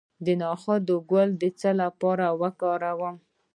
د نخود ګل د څه لپاره وکاروم؟